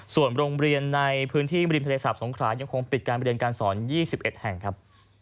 ส่วนโรงเรียนในพื้นที่ริมทะเลสาบสงขรายังคงปิดการเรียนการสอน๒๑แห่งครับ